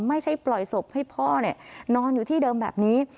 ไม่ใช่ปล่อยศพให้พ่อนอนอยู่ที่เดิมแบบนี้